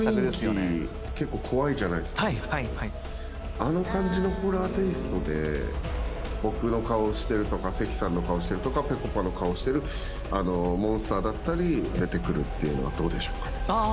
あの感じのホラーテイストで僕の顔をしてるとか関さんの顔をしてるとかぺこぱの顔をしてるモンスターだったりが出てくるっていうのはどうでしょうか？